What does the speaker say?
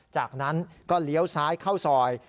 จากนั้นก็เลี้ยวซ้ายเข้าซอย